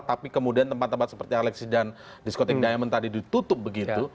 tapi kemudian tempat tempat seperti alexi dan disco tengg diamond tadi ditutup begitu